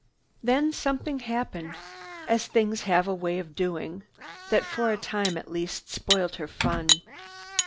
Then something happened, as things have a way of doing, that for a time at least spoiled her fun.